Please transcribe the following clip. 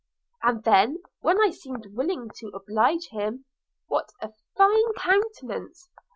– And then when I seemed willing to oblige him, what a fine countenance!